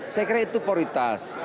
saya kira itu prioritas